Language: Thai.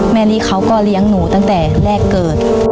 ลิเขาก็เลี้ยงหนูตั้งแต่แรกเกิด